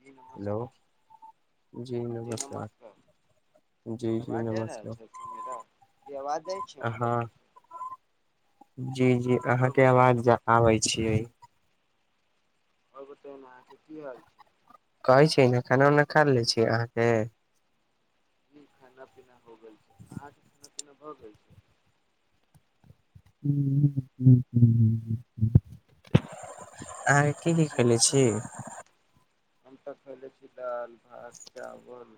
जी hello नमस्कार जी नमस्कार जी जी आवाज जा रहल नमस्कार छै [unintelligible] आवाज जाय छै हमर अहाँ जी जी आओर आहाँके बताइ आवाज आबै छीये ओर बताय न अहाँके की हाल छै कहै छी न खाना उना खा ले छी अहाँ के जी खाना पीना हो गेल छै अहाँ के खाना पीना भए गेल छै [unintelligible] की की खैले खाना छी खेले छी हम त खइल छी दाल भात चावल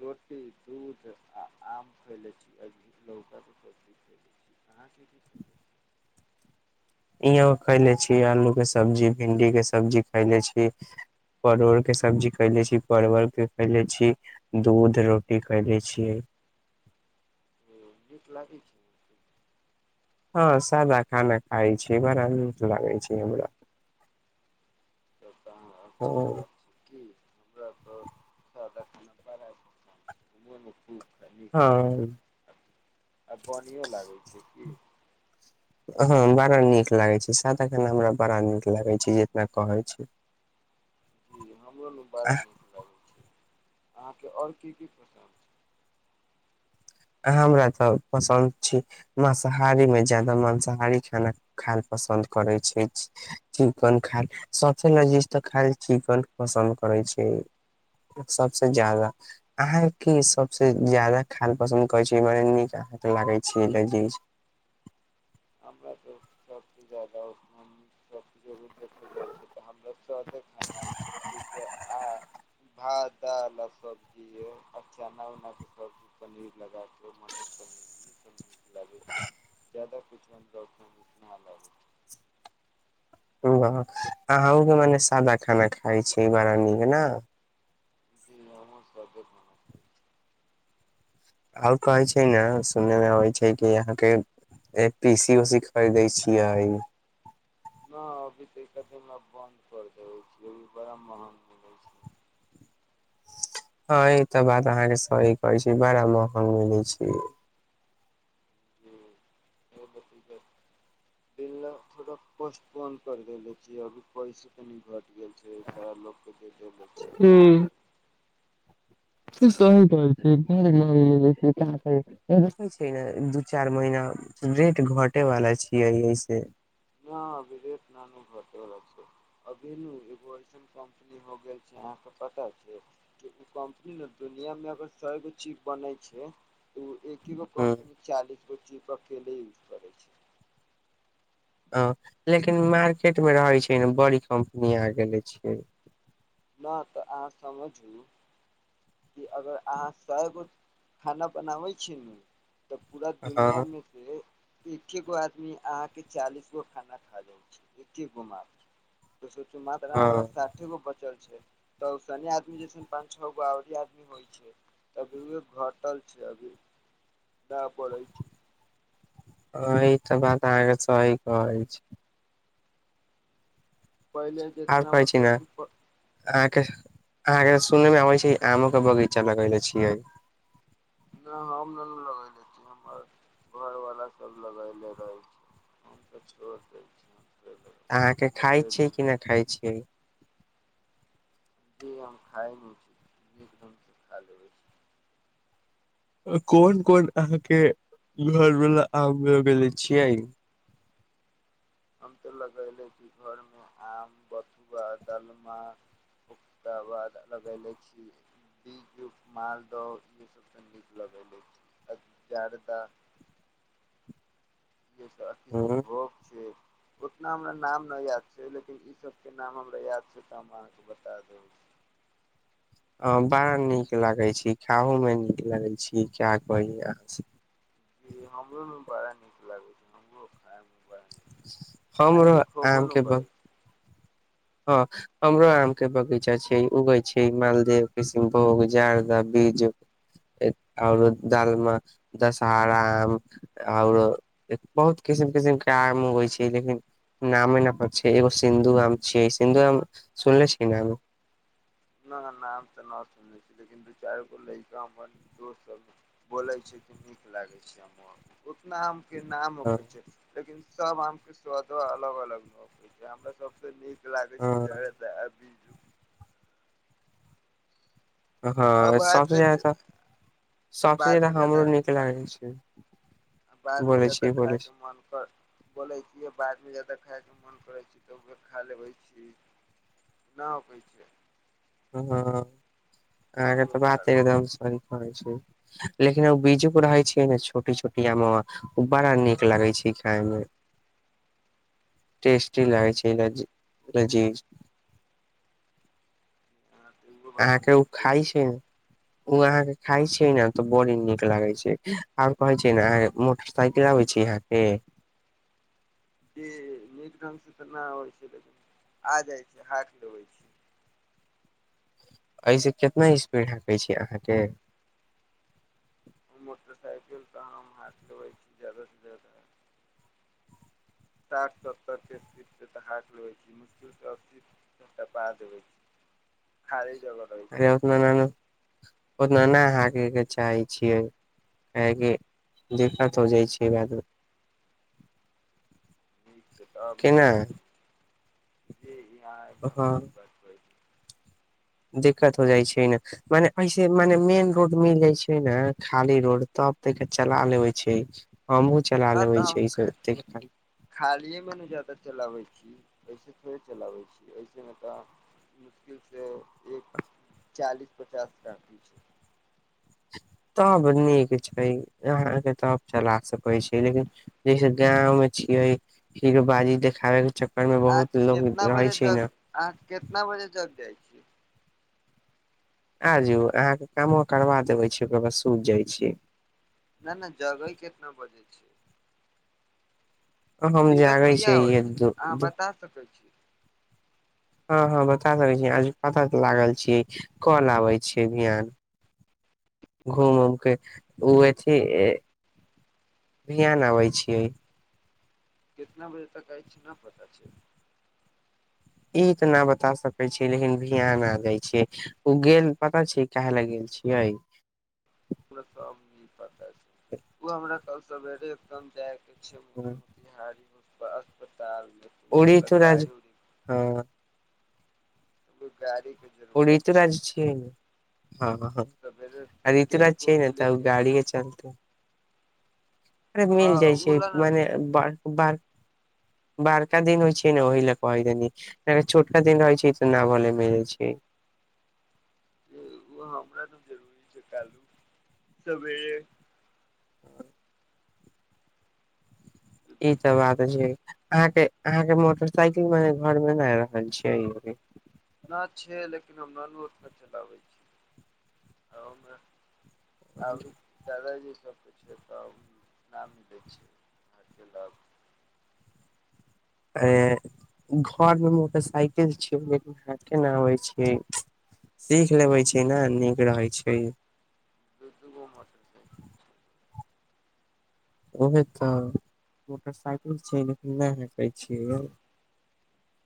रोटी दूध आ आम खैले छी आहाँ की की खयले इहो खैले छी आलू के सब्जी भिंडी के सब्जी खैले छी परोर के सब्जी खैले छी परवल के खैले छी दूध रोटी खयले छियई ओ नी लागै छै हां सादा खाना खाय छी बड़ा नीक लागे छै हमरा तब त आहां अछै हँ बात छै कि हमरा तऽ स [unintelligible] त नय खाइ हँ छी आब बढ़िया लागै छै की हॅं बड़ा नीक लागै छी सादा खाना हमरा बड़ा नीक लागै छी जितना कहै छी जी हमरो आ बड़ा नीक लागै छै अहाँके आओर की की पसन्द छै आहाँ हमरा तऽ पसन्द छी मासाहारी मे ज्यादा मांसाहारी खाना खायल पसन्द करै छै चिकन खा सबसॅं लजीज तऽ खालि चिकन पसन्द करै छै सबसॅं ज्यादा अहाँ कि सबसे जादा खाना पसन्द कहे छी नीक लागे छिये लजीज हमरा तऽ सबसँ ज्यदा अखन जरूर देखल जाइ छै तऽ हमरा सादे खाना जहिसे आ भात दाल सब्जी ये अच्छा आ चन्ना उना के सब्जी पनीर लगा के सब नीक लागे छै ज्यदा कुछ हमरा नीक ने लगे छै चलू अहुके मने सादा खाना खाइ छी बड़ा नीक नऽ ई नामर श्रध। आओर कहै छै, ने आ सुने मे अबै छै। कि अहाँकेँ एक पीसी उसी खरीदे छीयै। न अभी तऽ ईति बन्द कर दे छीभी बड़ा महंग मिल छै। हाँ, ई तऽ बात अहाँकेँ सही कहै छै, बड़ा महंग मिले छै। जी आब‌ [unintelligible] बिल्ल थोड़ा पोस्टपोन कर देले छीय अभी पैसा तनी घट गेल छै, सारा लोक के जे दऽ लै छियै। ह न सही कहि छै ने दू चार महीना। रेट घटेवाला छियै, एहिसे। न अभी रेत नहि घट रहल छै। अभेलु एगो ऐसन कम्पनी हो गेल छै, अहाँकेँ पता छै। ओ, कम्पनी ने दुनियामे अगर सएगो चीफ बनै छै। तऽ ओ एकेगो ह कम्पनी चालीसगो चीप अकेले यूज करै छै। हॉं, लेकिन मार्केट मे रहे छै, ने बड़ी कम्पनी आ गेले छै। न, तऽ अहाँ सम्झु। कि अगर अहाँ सभ खाना बनाबै छी ने तऽ पूरा दुनिया हँ मे। से एक्कै गो आदमी अहाँकेँ चालीसगो खाना खा जाइ छै। एकेगो मात्र। तो सोच मात हँ साठे गो बचल छै, तऽ संयासी आदमी पांच छगो आ आदमी होइ छै, तभी उ घटल छै, अभी। तऽ पढ़ै छै। आ, ई तऽ बात अहाँकेँ सही कहै छै। पहिले जेतना मतलब। अहाँकेँ अहाँकेँ सुनने मे आबे छै, आमो के बगीचा लगेले छियै। न हम लगले छी हमर घर वाला सभ लगेले रहे। हम तऽ छोड़ दै छिये। अहाँकेँ खाय छीयै, कि नहि खाय छियै। जी, हम खाए छी, एकदमसँ खा लेबै। कोन कोन अहाँकेँ घर वाला आम लगेले छियै। हम तऽ लगयले छै, घरमे आम बथुआ डालमा। ओकरा बाद लगले छै बीजू मालदह इसभ। सगीत लगै लेल जन तऽ [unintelligible] किसन ह भोग छै। ओतना हमरा नाम नहि याद छै, लेकिन ई सभके नाम हमरा याद छै, तऽ हम अहाँकेँ बता देब। ह, बड़ा निक लगे छै, खाहो मे निक लगैत छी क्या कही अहाँ। ज हमरो मे बड़ा निक लागे छै, हमरो खाय मे बड़ा न हमरो अनी खोबो आम के नाऊ बग करै छै। हँ। हमरो आम के बगीचा छै, उगै छै, मालदे किष्ण भोग जारदा बीज। ओर डालम, दशहरा आम। ओर बहुत केसेन केसेन के आगम होइ छै, लेकिन। नामे नऽ, एकटा सिन्धु आम छै, सिन्धु आम, सुनने छियै ने? नाम तऽ न सुनने छै दू चारिगो लैका हमर दोस्त सभ। बोलै छै, कि निक लागै छै, हम उतना आमके नाम हँ कहै छै। लेकिन सब आम के स्वादो अलग अलग भगेलैया हमरा सबसे नीक लागे छै हँ जरदा बीजू [unintelligible] आ हँ सभसँ बादमे ज्यादा सभसँ ज्यादा बादमे हमरो नीक लागै छै [unintelligible] आ बादमे बोलै जतऽ छी बोलै छी खायके मोन कर बोलै छियै बादमे ज्यादा खायके मन करै छै तऽ उर खा लेबै छी न होई छै हँ अहाँके उहो तऽ खा बात लो एकदम सहि कहै छै लेकिन ओ बीजू क रहै छिय ने छोटी छोटी आमुआ ओ बड़ा नीक लगै छै खायमे [inaudible] [inaudible] टेस्टी लागै छै जी रज रजी अहाँ के उहो बात के अहाँके उ नीको खाइ होइ छै ओ अहाँ के खाय छीयै न तऽ बड़ी नीक लागई छिय न ओर कहे छिय न साइकिल आबै छै यहाँ के कि नीक ढङ्गसँ तऽ न होबै छै लेकिन आ जाइत छै हाथ धोबै छै एहिसँ केतना स्पीड हाकै छी अहाँके मोटरसाइकिल तऽ हम हाथ लेबै छी जा्यदासँ जा्यदा साठ सत्तर के स्पीड से त हात [unintelligible] ले छै मुश्किल से अस्सी पा देे छै खारी जब [unintelligible] अे उतना ओतना नहि हाके के चाहै छियै काहेकि दिक्कत हो जाइ छै बादमे [inaudible] [inaudible] नीक छै तब न केना जी ई अहाँ एकदम हँ नीक बात कहै छी दिक्कत हो जाइ छै न मने ऐसे मने रोड मिल जाय छै ने खाली रोड तब त के चला लेबे छै हँ [unintelligible] [unintelligible] राताम [unintelligible] [unintelligible] खालियए मे न जादा चलाबै छी ऐसे थोड़े चलाबै छी ऐसे मे तऽ मुश्किलसँ एक चालीस पचास का [unintelligible] दी छै तब नीक छै अहाँ के तब चला सकै छै लेकिन जैसे गाँंव मे छियै खीरो बाजी देखाबै के च घर मे अहाँ बहुत लोग कितना रहै बजे छै जग न अहाँ केतना बजे जग जाइ छीये आ जु अहाँके कामो करबा देबे छीय ओकर बस सूत जाइ छीय न न जगई कितना बजै छियै हम धीरज जागे कहिआ होइ छियै छै अहाँ बता सकै छी हँ हँ बता सकै छी आज पता त लागल छियै कोल आबै छिय ध्यान घूमउमके ओ एथि बिहान अबै छी केतना बजे तक अछि न पता छै ई तऽ न बता सकै छिय लेकिन भियान आ जाय छिय ओ गेल पता छै काहा ले गेल छियै रा सब नी पता छै उ हमरा क सवेरे ए जाय के छै हूँ [unintelligible] बिहाड़ीप अस्पतालमे [unintelligible] ओड़ी तोरेज [inaudible] हँ एगो गाड़ी के जरूरत छै हँँ सवेरे टेम्पू [unintelligible] मिले तब कि न गाड़ीे मिले चलतै हँ मिल जाइ ओ छै ल न नु मने बा [inaudible] बारका दिन होइ छे हँ ने ओहि लए कहि द छोटका दिन रहै छै तऽ न भले मिलै छै ओ हमरा त जरूरी छै [unintelligible] सबेरे ई त बात छै अहाँ के अहाँ के मोटरसाइकिल मेने घर मे ने आ रहल छी नहि छै लेकिन हम न नू उतना चलाबै छी [inaudible] ओमे औरों दादाजी सब छै [unintelligible] [unintelligible] घर मे मोटरसाइकिल छी लेकिन आहाँ किया न आबे छै सीख लेबै छी दू ने नीक रहैत छै द [unintelligible] उहे तऽ मोटरसाइकिल स चैल अतिए नहि हकै छियै यौ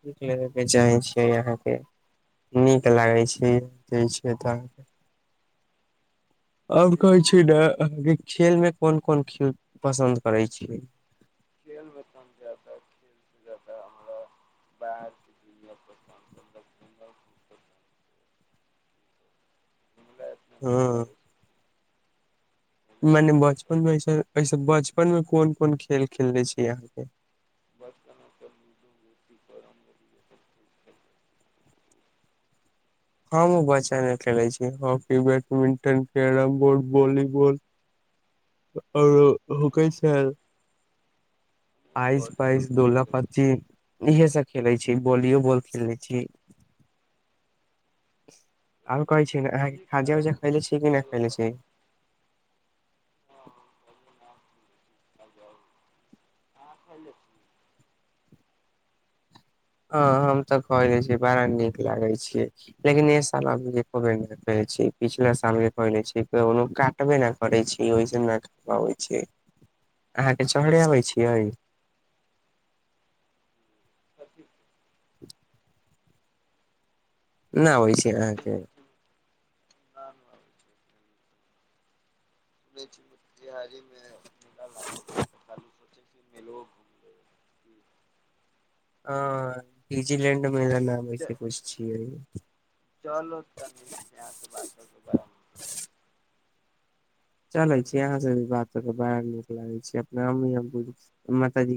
सिख लेबे के चाहे छियै आहाँ के नीक लागै छै दैय छिए त [inaudible] और जे कहै छी चीज अहाँ खेलमे कोन कोन खेल पसन्द करैत छियै खेल मे त हम ज्यदा खेल [unintelligible] पसन्द छै घुमला एतना नीक हँ लागै [inaudible] छै मने घुमबे करै बचपन छै मे ऐस बचपन मे कोन कोन खेल खेले छी अहाँके [unintelligible] खेलने हम बच्चा न खेले छी हम hockey badminton carrom board volleyball [inaudible] औरो होके हँ छल हमहुँ आइस वॉलीबॉल पइस दोला खेलले पच्ची इएह सभ खेलैत छी वॉलियओ बॉल खेल लैत छी [inaudible] और कहै छी ने अहाँके नीक खाजा लगै उजा छै खैले छीयै कि नहि खैले वॉलीबॉल छी हँ [unintelligible] ह हम तऽ कह ले छीयै बड़ा नीक लागे छिए लेकिन ए सालबे [unintelligible] पछिला साल छी [unintelligible] अहाँ के चढ़े अबै छियै [unintelligible] [inaudible] नहि होइ छै अहाँके [unintelligible] सु छी मतिहारी में मेला लागे छै त कलहि सोचे छी मेलो घुमे ह डिजिलेंड मेला नाम एहिस कुछ छिय [unintelligible] चलै छी यहाँ से भी बात करके बड़ा नीक लागे छी अपने माताजी